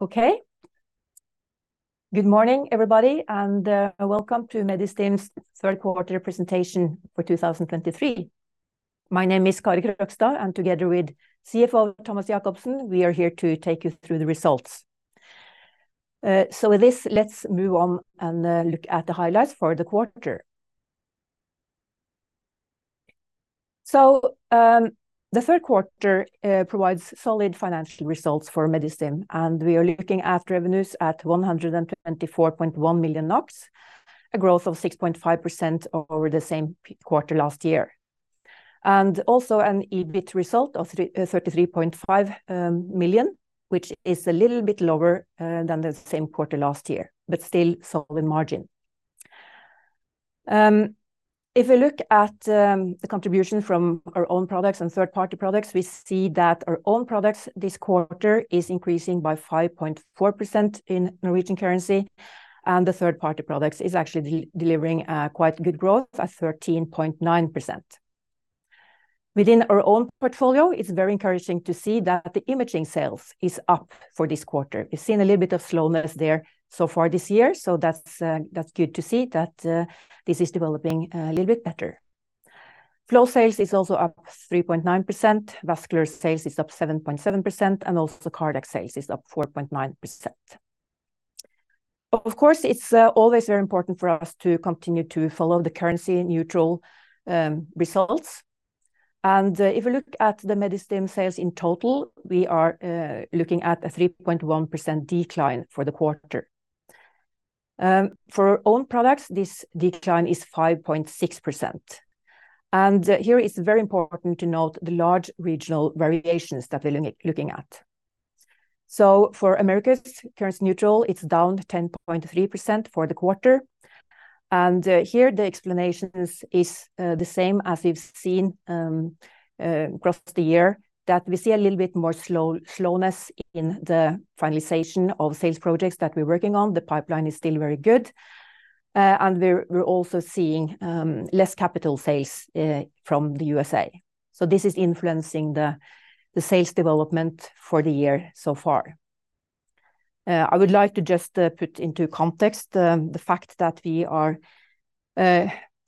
Okay. Good morning, everybody, and welcome to Medistim's third quarter presentation for 2023. My name is Kari Krogstad, and together with CFO Thomas Jakobsen, we are here to take you through the results. So with this, let's move on and look at the highlights for the quarter. So, the third quarter provides solid financial results for Medistim, and we are looking at revenues at 124.1 million NOK, a growth of 6.5% over the same quarter last year. And also an EBIT result of 33.5 million, which is a little bit lower than the same quarter last year, but still solid margin. If we look at the contribution from our own products and third-party products, we see that our own products this quarter is increasing by 5.4% in Norwegian currency, and the third-party products is actually delivering quite good growth at 13.9%. Within our own portfolio, it's very encouraging to see that the imaging sales is up for this quarter. We've seen a little bit of slowness there so far this year, so that's good to see that this is developing a little bit better. Flow sales is also up 3.9%, vascular sales is up 7.7%, and also cardiac sales is up 4.9%. Of course, it's always very important for us to continue to follow the currency neutral results. If you look at the Medistim sales in total, we are looking at a 3.1% decline for the quarter. For our own products, this decline is 5.6%, and here it's very important to note the large regional variations that we're looking at. So for Americas, currency neutral, it's down 10.3% for the quarter, and here the explanation is the same as we've seen across the year, that we see a little bit more slowness in the finalization of sales projects that we're working on. The pipeline is still very good. And we're also seeing less capital sales from the USA. So this is influencing the sales development for the year so far. I would like to just put into context the fact that we are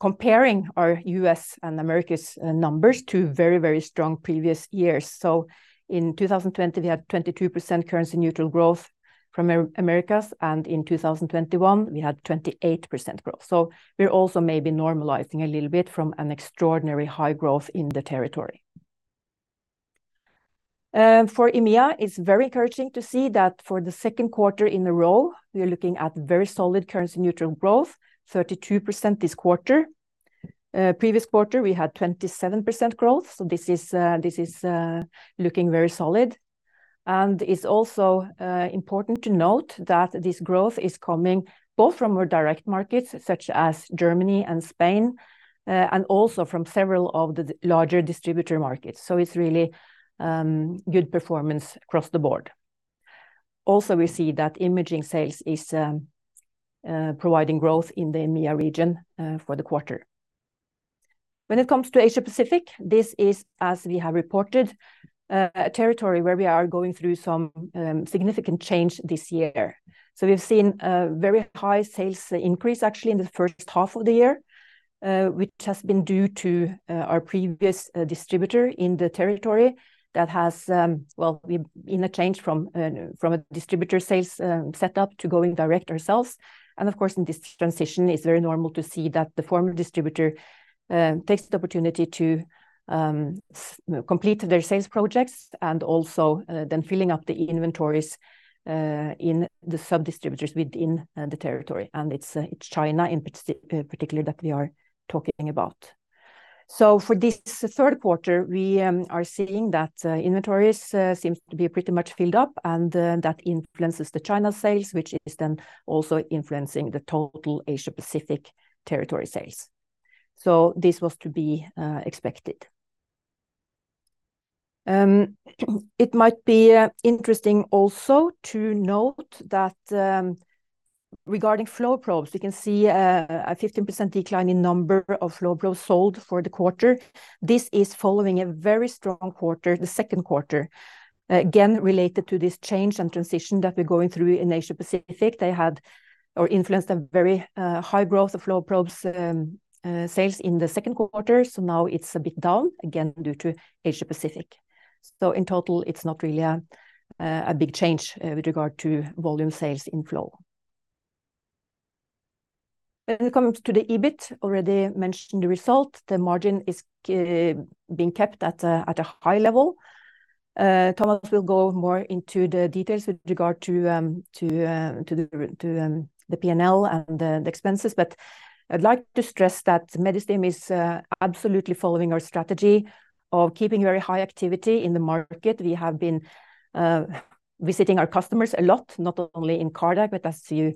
comparing our U.S. and Americas numbers to very, very strong previous years. So in 2020, we had 22% currency neutral growth from Americas, and in 2021, we had 28% growth. So we're also maybe normalizing a little bit from an extraordinary high growth in the territory. For EMEA, it's very encouraging to see that for the second quarter in a row, we are looking at very solid currency neutral growth, 32% this quarter. Previous quarter, we had 27% growth, so this is looking very solid. It's also important to note that this growth is coming both from our direct markets, such as Germany and Spain, and also from several of the larger distributor markets. It's really good performance across the board. Also, we see that imaging sales is providing growth in the EMEA region for the quarter. When it comes to Asia-Pacific, this is, as we have reported, a territory where we are going through some significant change this year. We've seen a very high sales increase, actually, in the first half of the year, which has been due to our previous distributor in the territory that has... well, we've been a change from a distributor sales setup to going direct ourselves. Of course, in this transition, it's very normal to see that the former distributor takes the opportunity to complete their sales projects and also then filling up the inventories in the sub-distributors within the territory, and it's China in particular that we are talking about. So for this third quarter, we are seeing that inventories seems to be pretty much filled up, and that influences the China sales, which is then also influencing the total Asia-Pacific territory sales. So this was to be expected. It might be interesting also to note that regarding flow probes, we can see a 15% decline in number of flow probes sold for the quarter. This is following a very strong quarter, the second quarter. Again, related to this change and transition that we're going through in Asia-Pacific. They had or influenced a very high growth of flow probes sales in the second quarter, so now it's a bit down, again, due to Asia-Pacific. So in total, it's not really a big change with regard to volume sales in flow. When it comes to the EBIT, already mentioned the result. The margin is being kept at a high level. Thomas will go more into the details with regard to the P&L and the expenses, but I'd like to stress that Medistim is absolutely following our strategy of keeping very high activity in the market. We have been visiting our customers a lot, not only in cardiac, but as you are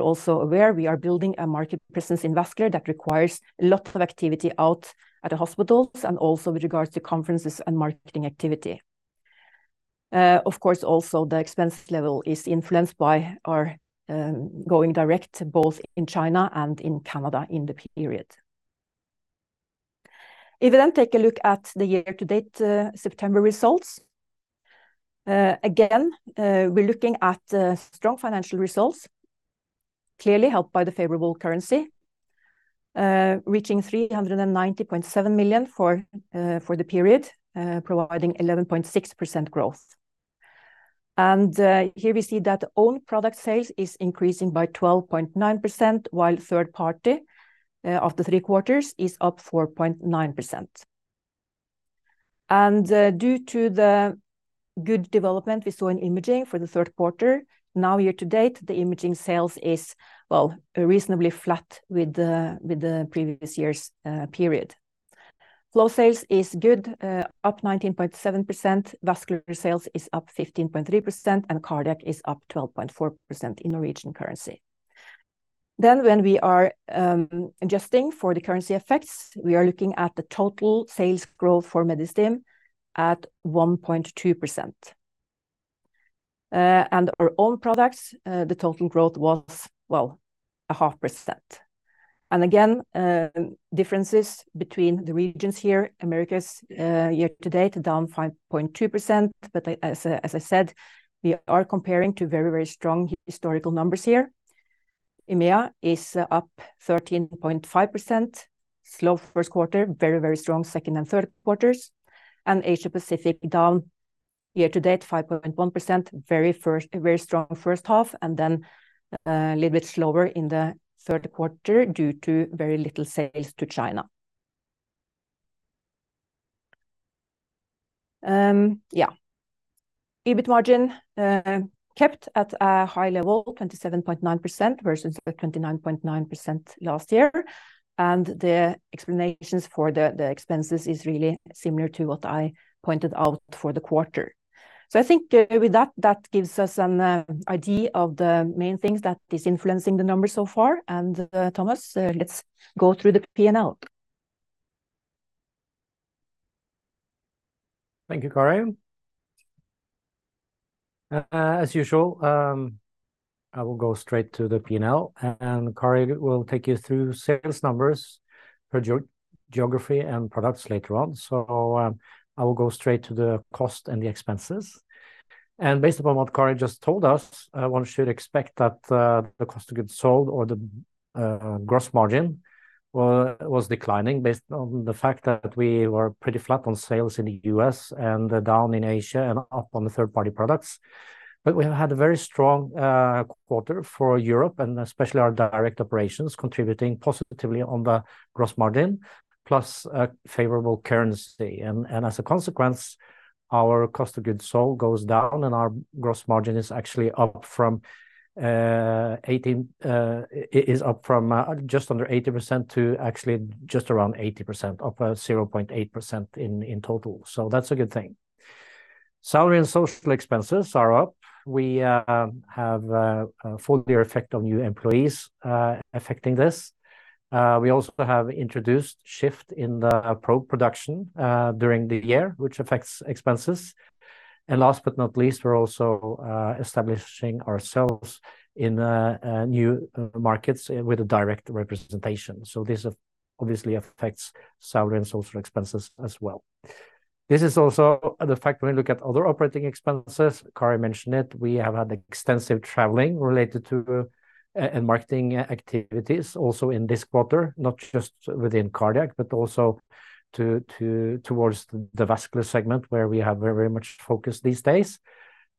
also aware, we are building a market presence in vascular that requires a lot of activity out at the hospitals and also with regards to conferences and marketing activity. Of course, also, the expense level is influenced by our going direct, both in China and in Canada in the period. If you then take a look at the year-to-date September results, again, we're looking at strong financial results, clearly helped by the favorable currency, reaching 390.7 million for the period, providing 11.6% growth. And here we see that own product sales is increasing by 12.9%, while third party of the three quarters is up 4.9%. Due to the good development we saw in imaging for the third quarter, now year to date, the imaging sales is, well, reasonably flat with the previous year's period. Flow sales is good, up 19.7%, vascular sales is up 15.3%, and cardiac is up 12.4% in Norwegian currency. Then when we are adjusting for the currency effects, we are looking at the total sales growth for Medistim at 1.2%. And our own products, the total growth was, well, 0.5%. And again, differences between the regions here, Americas, year to date, down 5.2%. But, as I said, we are comparing to very, very strong historical numbers here. EMEA is up 13.5%. Slow first quarter, very, very strong second and third quarters, and Asia-Pacific down year to date, 5.1%. Very strong first half, and then a little bit slower in the third quarter due to very little sales to China. EBIT margin kept at a high level, 27.9% versus the 29.9% last year, and the explanations for the expenses is really similar to what I pointed out for the quarter. So I think, with that, that gives us an idea of the main things that is influencing the numbers so far. And, Thomas, let's go through the P&L. Thank you, Kari. As usual, I will go straight to the P&L, and Kari will take you through sales numbers for geography and products later on. So, I will go straight to the cost and the expenses. And based upon what Kari just told us, one should expect that the cost of goods sold or the gross margin was declining based on the fact that we were pretty flat on sales in the U.S. and down in Asia and up on the third-party products. But we have had a very strong quarter for Europe and especially our direct operations, contributing positively on the gross margin, plus a favorable currency. And as a consequence, our cost of goods sold goes down, and our gross margin is actually up from eighteen, it is up from just under 80% to actually just around 80%, up 0.8% in total. So that's a good thing. Salary and social expenses are up. We have a full year effect on new employees affecting this. We also have introduced shift in the probe production during the year, which affects expenses. And last but not least, we're also establishing ourselves in new markets with a direct representation. So this obviously affects salary and social expenses as well. This is also the fact when we look at other operating expenses. Kari mentioned it. We have had extensive traveling related to and marketing activities also in this quarter, not just within cardiac, but also towards the vascular segment, where we have very much focused these days.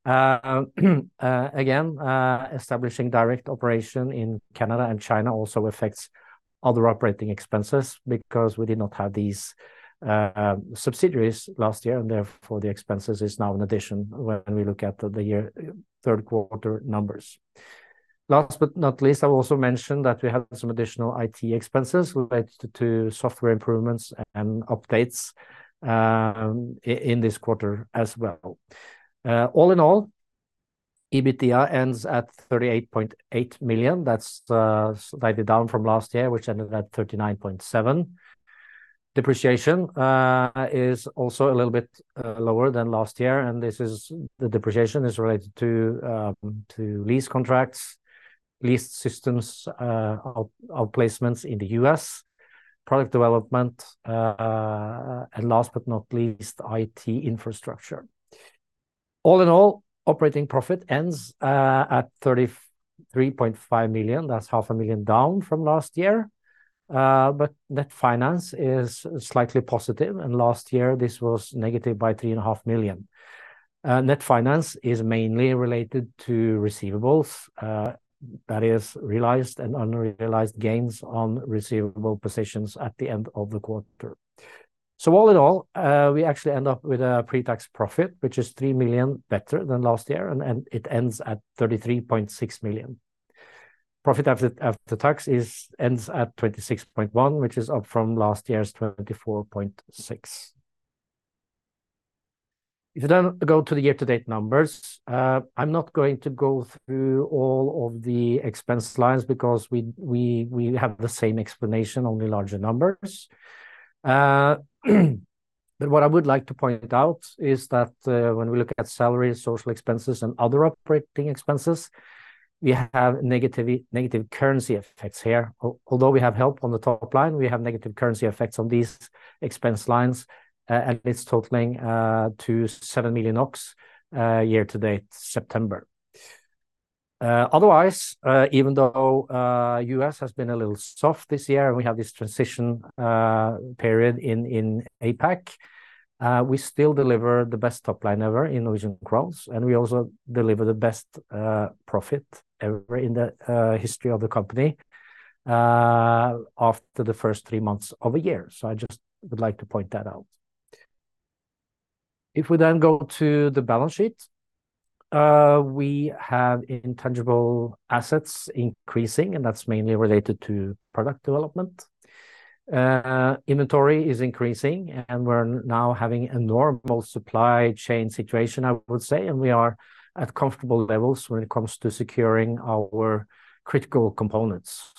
Again, establishing direct operation in Canada and China also affects other operating expenses because we did not have these subsidiaries last year, and therefore, the expenses is now an addition when we look at the year, third quarter numbers. Last but not least, I've also mentioned that we have some additional IT expenses related to software improvements and updates in this quarter as well. All in all, EBITDA ends at 38.8 million. That's slightly down from last year, which ended at 39.7 million. Depreciation is also a little bit lower than last year, and this is... The depreciation is related to lease contracts, lease systems of placements in the U.S., product development, and last but not least, IT infrastructure. All in all, operating profit ends at 33.5 million. That's 0.5 million down from last year, but net finance is slightly positive, and last year this was negative by 3.5 million. Net finance is mainly related to receivables, that is realized and unrealized gains on receivable positions at the end of the quarter. So all in all, we actually end up with a pre-tax profit, which is 3 million better than last year, and it ends at 33.6 million. Profit after tax ends at 26.1 million, which is up from last year's 24.6 million. If you then go to the year-to-date numbers, I'm not going to go through all of the expense lines because we have the same explanation, only larger numbers. But what I would like to point out is that, when we look at salaries, social expenses, and other operating expenses, we have negative currency effects here. Although we have help on the top line, we have negative currency effects on these expense lines, and it's totaling to 7 million, year to date, September. Otherwise, even though the U.S. has been a little soft this year, and we have this transition period in APAC, we still deliver the best top line ever in Norwegian crowns, and we also deliver the best profit ever in the history of the company after the first three months of a year. So I just would like to point that out. If we then go to the balance sheet, we have intangible assets increasing, and that's mainly related to product development. Inventory is increasing, and we're now having a normal supply chain situation, I would say, and we are at comfortable levels when it comes to securing our critical components.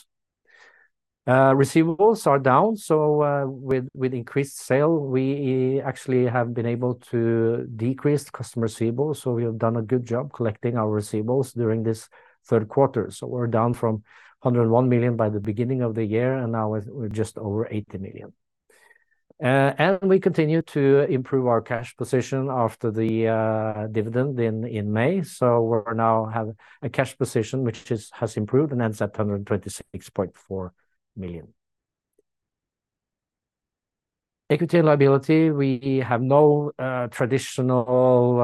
Receivables are down, so with increased sale, we actually have been able to decrease customer receivables, so we have done a good job collecting our receivables during this third quarter. So we're down from 101 million by the beginning of the year, and now we're just over 80 million. And we continue to improve our cash position after the dividend in May. So we're now have a cash position, which is has improved and ends at 126.4 million. Equity and liability, we have no traditional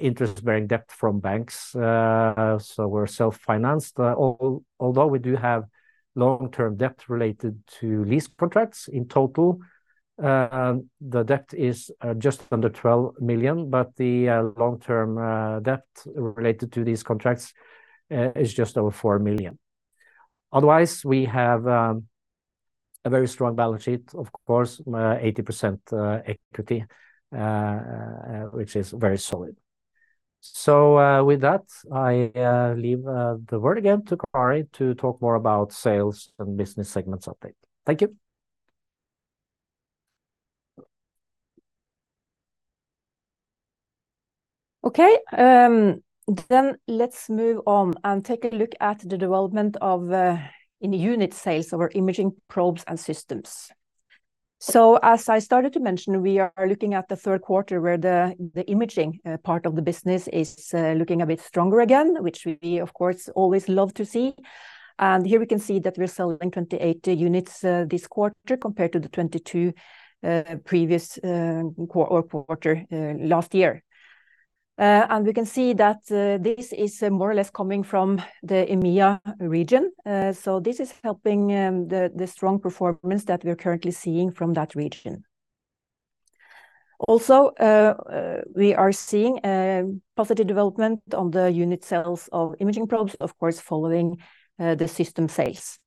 interest-bearing debt from banks. So we're self-financed, although we do have long-term debt related to lease contracts. In total, the debt is just under 12 million, but the long-term debt related to these contracts is just over 4 million. Otherwise, we have a very strong balance sheet, of course, 80% equity, which is very solid. So, with that, I leave the word again to Kari to talk more about sales and business segments update. Thank you. Okay, then let's move on and take a look at the development of in unit sales of our imaging probes and systems. So as I started to mention, we are looking at the third quarter, where the imaging part of the business is looking a bit stronger again, which we of course always love to see. And here we can see that we're selling 28 units this quarter, compared to the 22 previous quarter last year. And we can see that this is more or less coming from the EMEA region. So this is helping the strong performance that we're currently seeing from that region. Also, we are seeing a positive development on the unit sales of imaging probes, of course, following the system sales.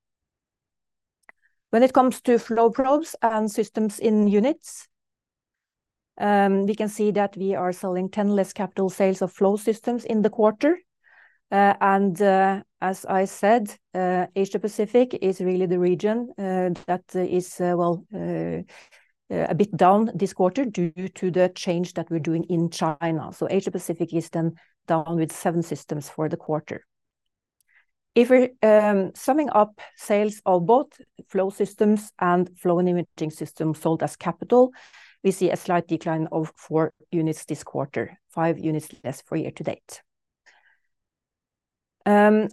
When it comes to flow probes and systems in units, we can see that we are selling 10 less capital sales of flow systems in the quarter. And, as I said, Asia-Pacific is really the region that is, well, a bit down this quarter due to the change that we're doing in China. So Asia-Pacific is then down with 7 systems for the quarter. If we're summing up sales of both flow systems and flow and imaging system sold as capital, we see a slight decline of 4 units this quarter, 5 units less for year to date. And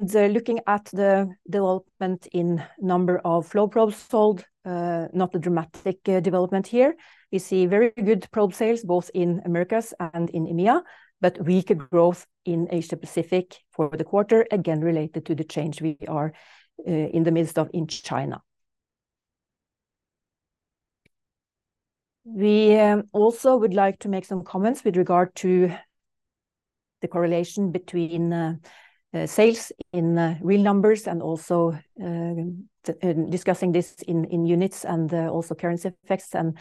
looking at the development in number of flow probes sold, not a dramatic development here. We see very good probe sales, both in Americas and in EMEA, but weaker growth in Asia-Pacific for the quarter, again, related to the change we are in the midst of in China. We also would like to make some comments with regard to the correlation between sales in real numbers and also discussing this in units and also currency effects and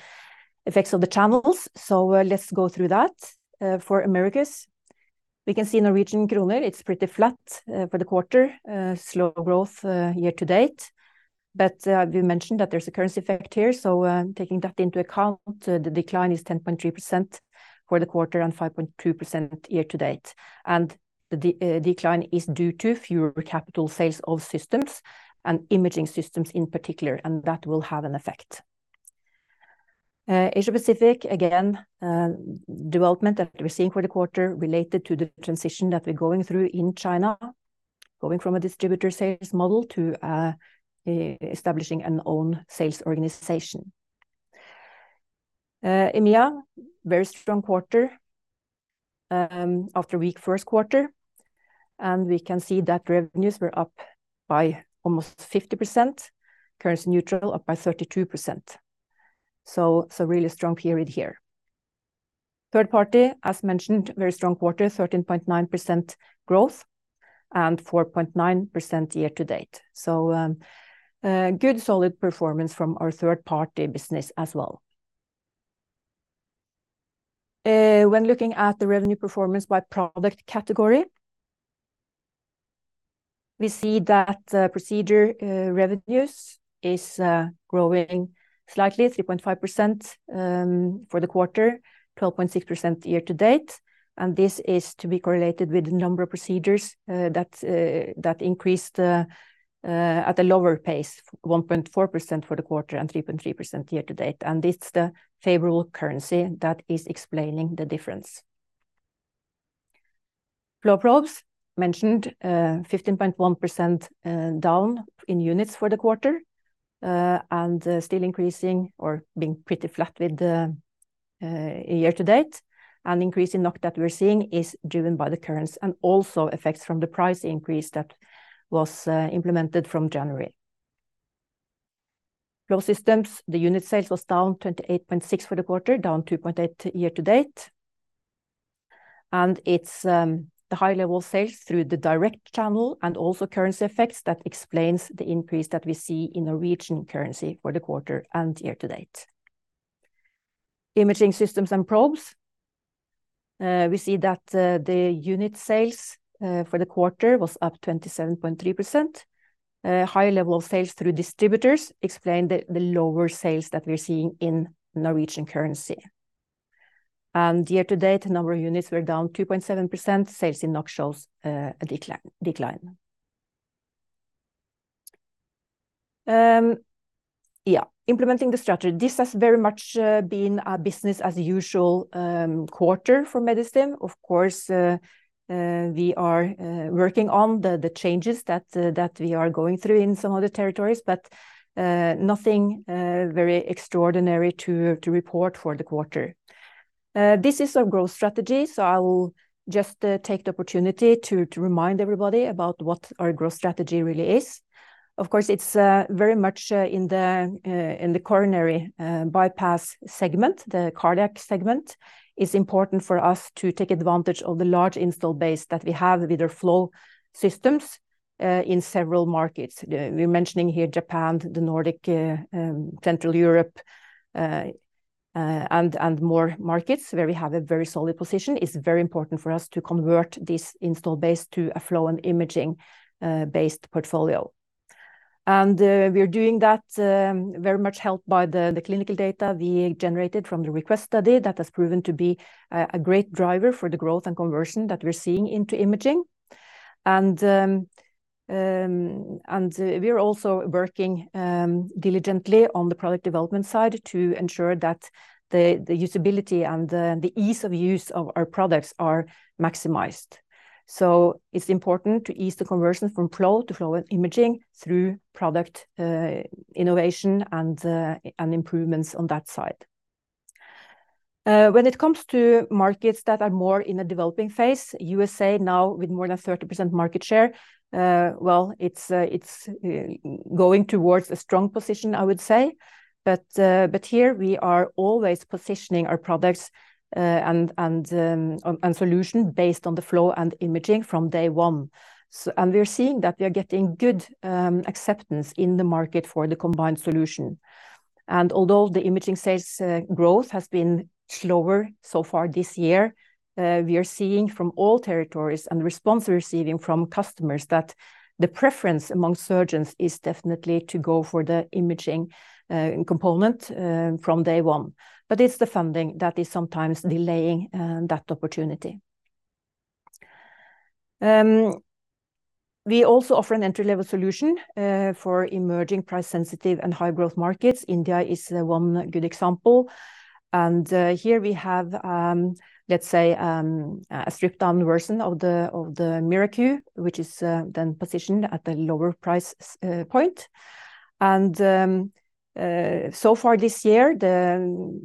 effects of the channels. So let's go through that. For Americas, we can see Norwegian kroner; it's pretty flat for the quarter, slow growth year to date. But, we mentioned that there's a currency effect here, so, taking that into account, the decline is 10.3% for the quarter and 5.2% year to date, and the decline is due to fewer capital sales of systems and imaging systems in particular, and that will have an effect. Asia-Pacific, again, development that we're seeing for the quarter related to the transition that we're going through in China, going from a distributor sales model to, establishing an own sales organization. EMEA, very strong quarter, after a weak first quarter, and we can see that revenues were up by almost 50%, currency neutral, up by 32%. So it's a really strong period here. Third party, as mentioned, very strong quarter, 13.9% growth and 4.9% year to date. So, good, solid performance from our third-party business as well. When looking at the revenue performance by product category, we see that procedure revenues is growing slightly, 3.5% for the quarter, 12.6% year to date. And this is to be correlated with the number of procedures that increased at a lower pace, 1.4% for the quarter and 3.3% year to date. And it's the favorable currency that is explaining the difference. Flow probes, mentioned, 15.1% down in units for the quarter, and still increasing or being pretty flat with the year to date. And increase in NOK that we're seeing is driven by the currency and also effects from the price increase that was implemented from January. Flow systems, the unit sales was down 28.6 for the quarter, down 2.8 year to date. It's the high level sales through the direct channel and also currency effects that explains the increase that we see in Norwegian currency for the quarter and year to date. Imaging systems and probes, we see that the unit sales for the quarter was up 27.3%. High level of sales through distributors explain the lower sales that we're seeing in Norwegian currency. Year to date, the number of units were down 2.7%. Sales in NOK shows a decline. Implementing the strategy. This has very much been a business as usual quarter for Medistim. Of course, we are working on the changes that we are going through in some of the territories, but nothing very extraordinary to report for the quarter. This is our growth strategy, so I'll just take the opportunity to remind everybody about what our growth strategy really is. Of course, it's very much in the coronary bypass segment. The cardiac segment is important for us to take advantage of the large install base that we have with our flow systems in several markets. We're mentioning here Japan, the Nordics, Central Europe, and more markets where we have a very solid position. It's very important for us to convert this install base to a flow and imaging based portfolio. We are doing that, very much helped by the clinical data we generated from the REQUEST study. That has proven to be a great driver for the growth and conversion that we're seeing into imaging. And we are also working diligently on the product development side to ensure that the usability and the ease of use of our products are maximized. So it's important to ease the conversion from flow to flow and imaging through product innovation and improvements on that side. When it comes to markets that are more in a developing phase, USA now with more than 30% market share, well, it's going towards a strong position, I would say. But here we are always positioning our products and solutions based on the flow and imaging from day one. So... We're seeing that we are getting good acceptance in the market for the combined solution. And although the imaging sales growth has been slower so far this year, we are seeing from all territories and the response we're receiving from customers that the preference among surgeons is definitely to go for the imaging component from day one, but it's the funding that is sometimes delaying that opportunity. We also offer an entry-level solution for emerging price-sensitive and high-growth markets. India is one good example, and here we have, let's say, a stripped down version of the MiraQ, which is then positioned at the lower price point. And so far this year, the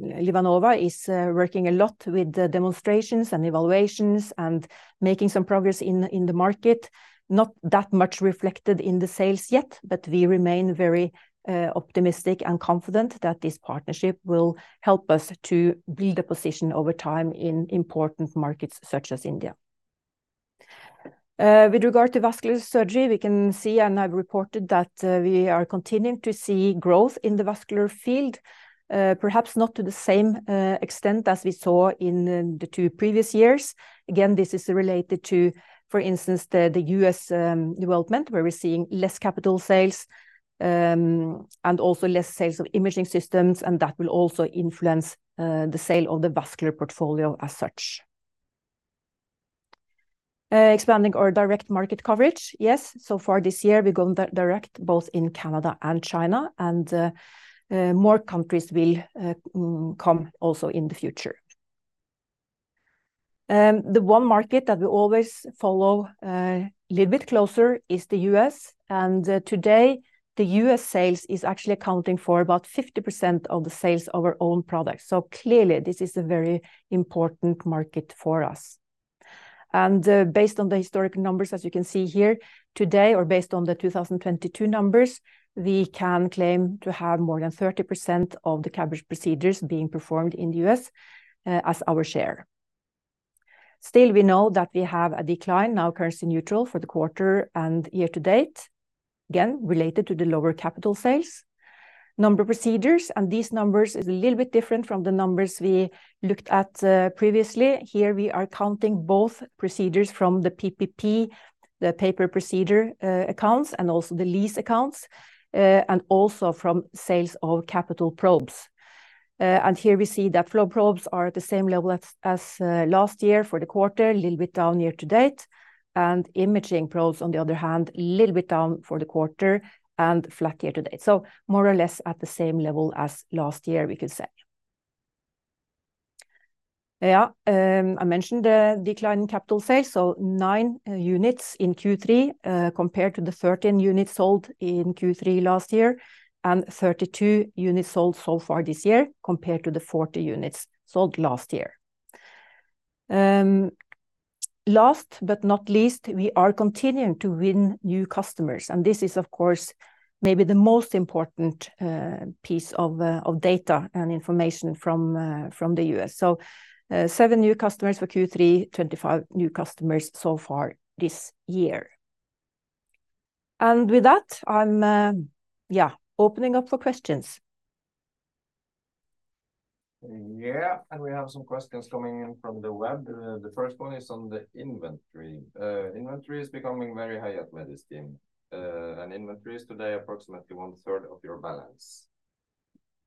LivaNova is working a lot with the demonstrations and evaluations and making some progress in the market. Not that much reflected in the sales yet, but we remain very optimistic and confident that this partnership will help us to build a position over time in important markets such as India. With regard to vascular surgery, we can see, and I've reported, that we are continuing to see growth in the vascular field, perhaps not to the same extent as we saw in the two previous years. Again, this is related to, for instance, the U.S. development, where we're seeing less capital sales and also less sales of imaging systems, and that will also influence the sale of the vascular portfolio as such. Expanding our direct market coverage. Yes, so far this year, we've gone direct both in Canada and China, and more countries will come also in the future. The one market that we always follow little bit closer is the U.S. Today, the U.S. sales is actually accounting for about 50% of the sales of our own products. So clearly, this is a very important market for us. Based on the historical numbers, as you can see here today, or based on the 2022 numbers, we can claim to have more than 30% of the coronary procedures being performed in the U.S., as our share. Still, we know that we have a decline now, currency neutral, for the quarter and year to date. Again, related to the lower capital sales. Number of procedures, and these numbers is a little bit different from the numbers we looked at previously. Here, we are counting both procedures from the PPP, the pay-per-procedure, accounts, and also the lease accounts, and also from sales of capital probes. And here we see that flow probes are at the same level as last year for the quarter, a little bit down year to date. Imaging probes, on the other hand, a little bit down for the quarter and flat year to date. So more or less at the same level as last year, we could say. I mentioned the decline in capital sales, so 9 units in Q3 compared to the 13 units sold in Q3 last year, and 32 units sold so far this year, compared to the 40 units sold last year. Last but not least, we are continuing to win new customers, and this is of course, maybe the most important, piece of data and information from the US. 7 new customers for Q3, 25 new customers so far this year. With that, I'm opening up for questions. Yeah, and we have some questions coming in from the web. The first one is on the inventory. Inventory is becoming very high at Medistim. And inventory is today approximately one third of your balance.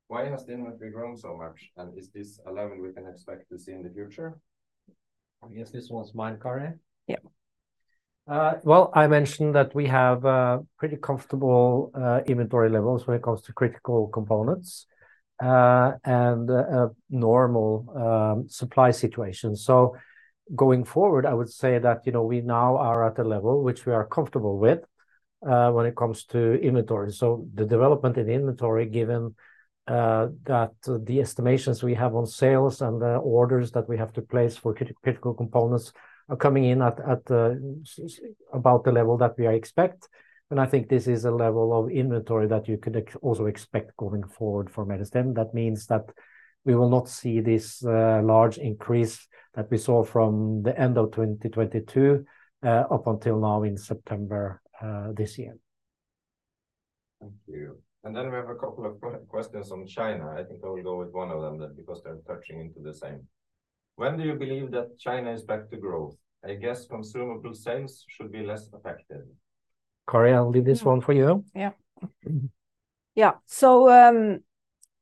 Why has the inventory grown so much, and is this a level we can expect to see in the future? I guess this one's mine, Kari? Yeah. Well, I mentioned that we have pretty comfortable inventory levels when it comes to critical components and a normal supply situation. So going forward, I would say that, you know, we now are at a level which we are comfortable with when it comes to inventory. So the development in inventory, given that the estimations we have on sales and the orders that we have to place for critical components, are coming in at about the level that we are expect. And I think this is a level of inventory that you could also expect going forward for Medistim. That means that we will not see this large increase that we saw from the end of 2022 up until now in September this year. Thank you. And then we have a couple of questions on China. I think I will go with one of them then, because they're touching into the same. When do you believe that China is back to growth? I guess consumable sales should be less affected. Kari, I'll leave this one for you. Yeah. Yeah. So,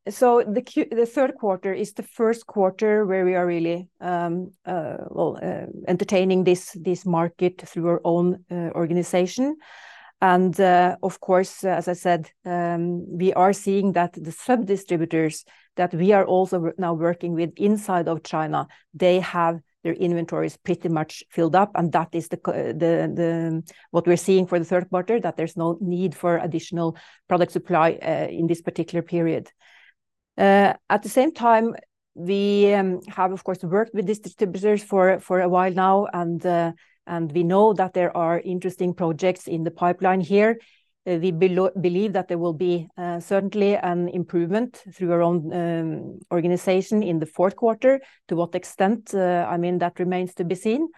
the third quarter is the first quarter where we are really, well, entertaining this market through our own organization. And, of course, as I said, we are seeing that the sub-distributors that we are also now working with inside of China, they have their inventories pretty much filled up, and that is what we're seeing for the third quarter, that there's no need for additional product supply, in this particular period. At the same time, we have of course, worked with these distributors for a while now, and we know that there are interesting projects in the pipeline here. We believe that there will be certainly an improvement through our own organization in the fourth quarter. To what extent, I mean, that remains to be seen.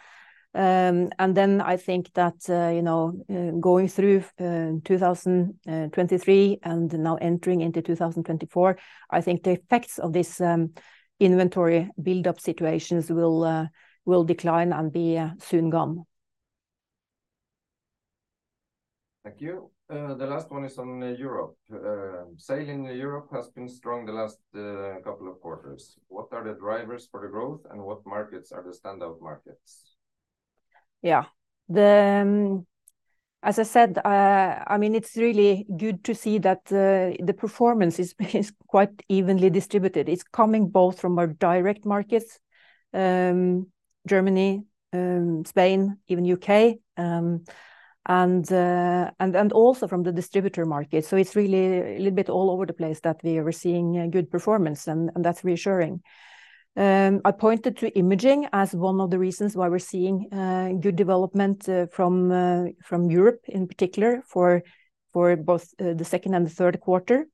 And then I think that, you know, going through 2023 and now entering into 2024, I think the effects of this, inventory buildup situations will, will decline and be, soon gone. Thank you. The last one is on Europe. Sale in Europe has been strong the last couple of quarters. What are the drivers for the growth, and what markets are the standout markets? Yeah. The, as I said, I mean, it's really good to see that, the performance is quite evenly distributed. It's coming both from our direct markets, Germany, Spain, even UK, and also from the distributor market. So it's really a little bit all over the place that we are seeing a good performance, and that's reassuring. I pointed to imaging as one of the reasons why we're seeing good development from Europe in particular, for both the second and the third quarter.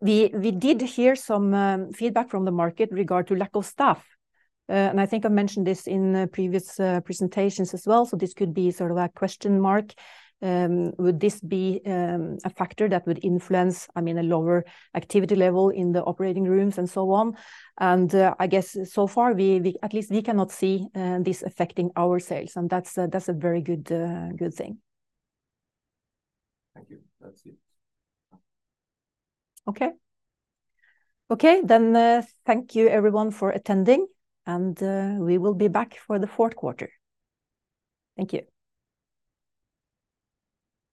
We did hear some feedback from the market regard to lack of staff. And I think I mentioned this in previous presentations as well. So this could be sort of a question mark. Would this be a factor that would influence, I mean, a lower activity level in the operating rooms and so on? And I guess so far, we at least cannot see this affecting our sales, and that's a very good thing. Thank you. That's it. Okay. Okay, then, thank you everyone for attending, and, we will be back for the fourth quarter. Thank you.